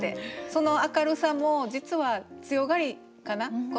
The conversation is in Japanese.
その明るさも実は強がりかな？